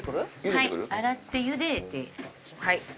はい洗って茹でて来ます。